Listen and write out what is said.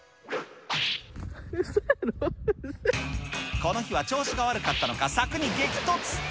この日は調子が悪かったのか、柵に激突。